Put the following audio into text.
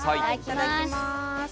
いただきます。